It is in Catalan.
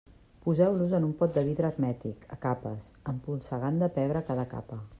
Poseu-los en un pot de vidre hermètic, a capes, empolsegant de pebre cada capa.